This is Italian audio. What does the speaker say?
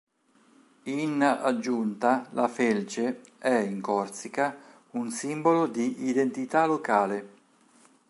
In aggiunta, la felce è in Corsica un simbolo di identità locale.